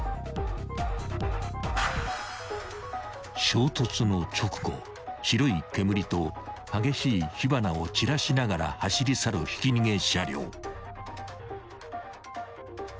［衝突の直後白い煙と激しい火花を散らしながら走り去るひき逃げ車両］